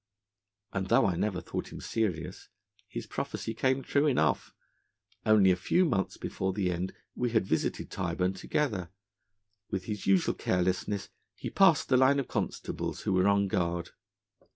And though I never thought him serious, his prophecy came true enough. Only a few months before the end we had visited Tyburn together. With his usual carelessness, he passed the line of constables who were on guard.